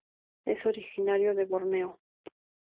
Es originario de Borneo.